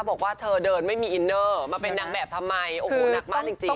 บอกว่าเธอเดินไม่มีอินเนอร์มาเป็นนางแบบทำไมโอ้โหนักมากจริง